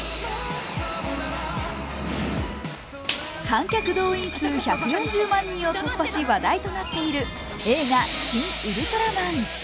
観客動員数１４０万人を突破し話題となっている映画「シン・ウルトラマン」。